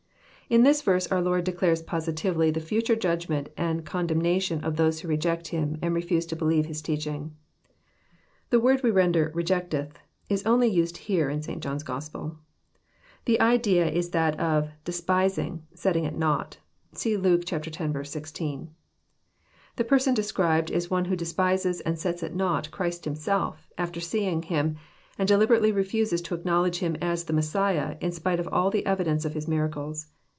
] In this verse our Lord declares positively the fhture judgment and condemnation of those who reject Him, and refUse to believe His teaching. The word we render " rejecteth " is only used here in St. John's Gospel. The idea is that of ''despising, setting at naught." (See Luke x. 16.) The person described is one who despises and sets at naught Christ Himself, after seeing Him, and deliberately reftises to acknowledge Him as the Messiah, in spite of all the evidence of His miracles.